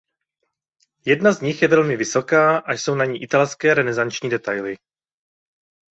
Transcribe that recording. Jedna z nich je velmi vysoká a jsou na ní italské renesanční detaily.